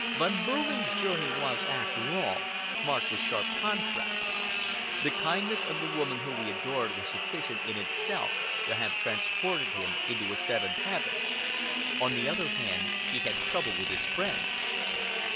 Von Behrling's journey was, after all, marked with sharp contrasts. The kindness of the woman whom he adored was sufficient in itself to have transported him into a seventh heaven. On the other hand, he had trouble with his friends.